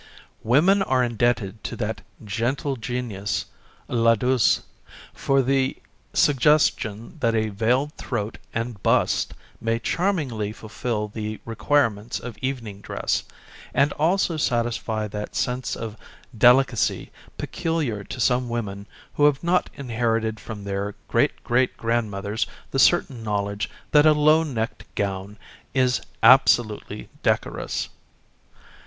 Women are indebted to that gentle genius, La Duse, for the suggestion that a veiled throat and bust may charmingly fulfil the requirements of evening dress, and also satisfy that sense of delicacy peculiar to some women who have not inherited from their great great grandmothers the certain knowledge that a low necked gown is absolutely decorous.